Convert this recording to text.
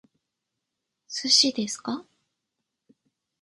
寿司ですか？